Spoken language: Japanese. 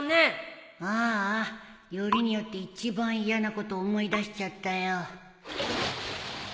ああよりによって一番嫌なこと思い出しちゃったよ。